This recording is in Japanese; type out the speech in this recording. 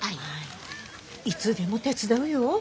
いつでも手伝うよ。